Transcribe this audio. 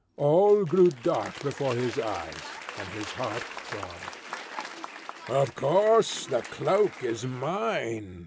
All grew dark before his eyes, and his heart throbbed. "Of course, the cloak is mine!"